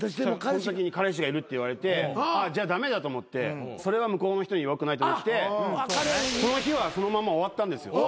彼氏がいるって言われてじゃあ駄目だと思ってそれは向こうの人によくないと思ってその日はそのまま終わったんですよ。